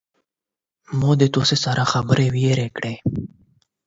ما له تاسو سره خبرې هیرې کړې.